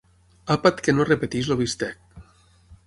Àpat que no repeteix el bistec.